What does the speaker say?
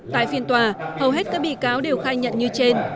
tại phiên tòa hầu hết các bị cáo đều khai nhận như trên